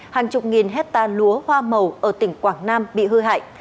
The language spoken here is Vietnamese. hàng chục nghìn hectare lúa hoa màu ở tỉnh quảng nam bị hư hại